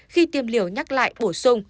khi tiêm liều nhắc lại bổ sung